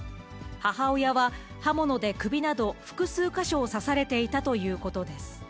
母親は、刃物で首など複数か所を刺されていたということです。